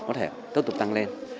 có thể tương tục tăng lên